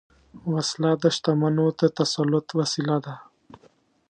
وسله د شتمنو د تسلط وسیله ده